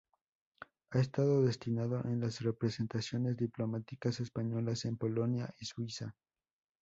Ha estado destinado en las representaciones diplomáticas españolas en Polonia y Suiza.